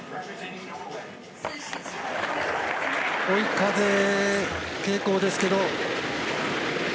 追い風傾向ですけど。